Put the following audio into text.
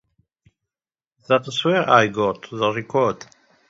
That's where I got the record.